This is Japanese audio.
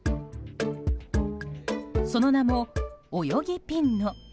その名も、オヨギピンノ。